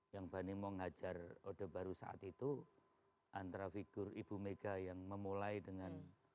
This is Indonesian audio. yang bani mau ngajar odeh baru saat itu antara figur ibu mega yang memulai dengan